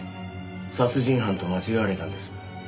殺人犯と間違われたんです。